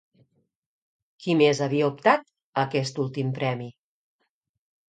Qui més havia optat a aquest últim premi?